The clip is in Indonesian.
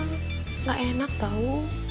gak enak tau